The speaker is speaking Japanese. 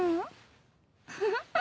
フフフ。